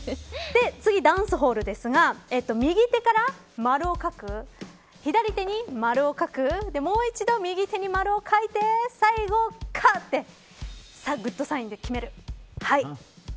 次、ダンスホールですが右手から丸を描く左手に丸を描くもう一度、右手に丸を描いて最後、グッドサインで決める。